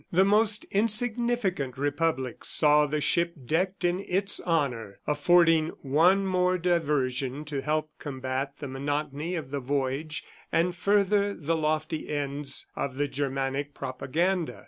The most insignificant republic saw the ship decked in its honor, affording one more diversion to help combat the monotony of the voyage and further the lofty ends of the Germanic propaganda.